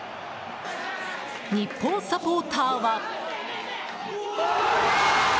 日本サポーターは。